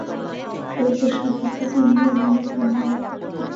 তবে প্রশ্নপত্র কিংবা অন্য কোনো কাগজে কখনো রাফ করতে যাবে না।